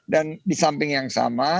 dan di samping yang sama